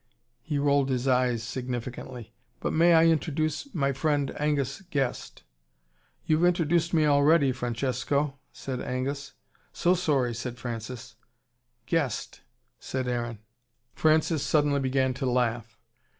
He rolled his eyes significantly. "But may I introduce my friend Angus Guest." "You've introduced me already, Francesco," said Angus. "So sorry," said Francis. "Guest!" said Aaron. Francis suddenly began to laugh.